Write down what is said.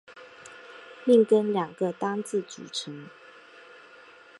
命根两个单字组成。